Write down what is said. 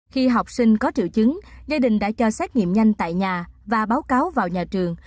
khi học sinh có triệu chứng gia đình đã cho xét nghiệm nhanh tại nhà và báo cáo vào nhà trường